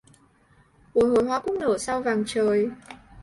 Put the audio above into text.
Bồi hồi hoa cúc nở sao vàng trời